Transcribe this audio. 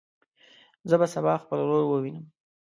زه به سبا خپل ورور ووینم.